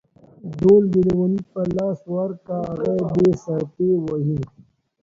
ډول د ليوني په لاس ورکه ، هغه يې بې صرفي وهي.